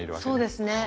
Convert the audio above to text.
そうですね。